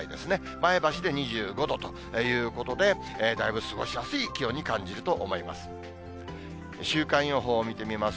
前橋で２５度ということで、だいぶ過ごしやすい気温に感じると思います。